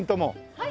はい？